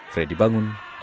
fredy bangun bandung